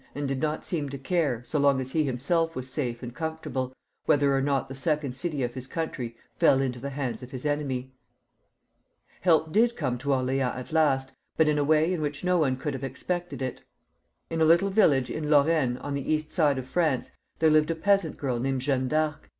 201 and did not seem to care, so long as he himself was safe and comfortable, whether or not the second city of his country fell into the hands of his enemy. Help did come to Orleans at last, but in a way in which no one could have expected it. In a little village in Lorraine, on the east side of France, there lived a peasant girl named Jeanne D'Arc.